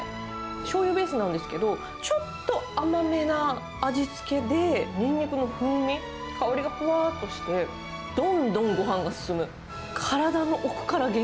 しょうゆベースなんですけど、ちょっと甘めな味付けで、ニンニクの風味、香りがふわっとして、どんどんごはんが進む。